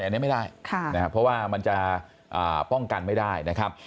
อันนี้ไม่ได้นะครับเพราะว่ามันจะป้องกันไม่ได้นะครับ